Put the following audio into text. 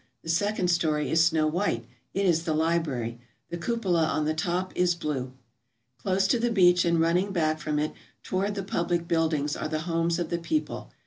The second story is snow white; it is the library. The cupola on the top is blue. Close to the beach and running back from it toward the public buildings are the homes of tlhe people.